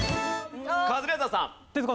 カズレーザーさん。